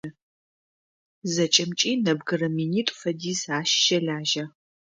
Зэкӏэмкӏи нэбгырэ минитӏу фэдиз ащ щэлажьэ.